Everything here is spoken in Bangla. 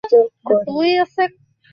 অবিনাশ ভাবিল, বুড়ার এ কী রকম জেদ।